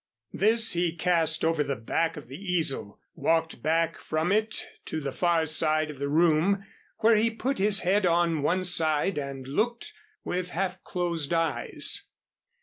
This he cast over the back of the easel, walked back from it to the far side of the room where he put his head on one side and looked with half closed eyes.